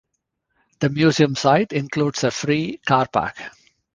The museum site includes a free car park.